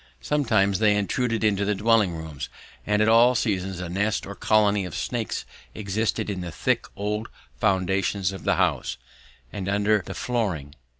Sometimes they intruded into the dwelling rooms, and at all seasons a nest or colony of snakes existed in the thick old foundations of the house, and under the flooring.